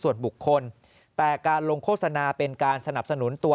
ส่วนบุคคลแต่การลงโฆษณาเป็นการสนับสนุนตัว